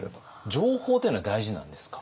情報っていうのは大事なんですか？